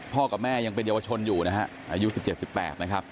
กับแม่ยังเป็นเยาวชนอยู่นะฮะอายุ๑๗๑๘นะครับ